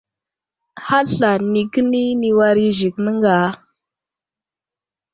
Hasla nikəni ni war i Zik nəŋga.